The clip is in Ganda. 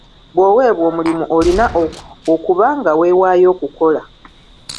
Bw'owebwa omulimu olina okuba nga wewaayo okukola.